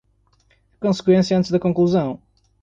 a conseqüência antes da conclusão.